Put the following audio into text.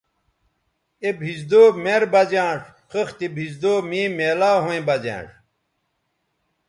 اے بھیزدو مر بہ زیانݜ خِختے بھیزدو مے میلاو ھویں بہ زیانݜ